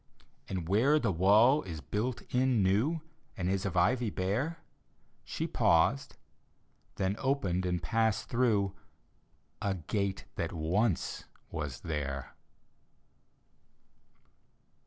And where the wall is built in new And is of ivy bare She paused — then opened and passed through A gate that once was there.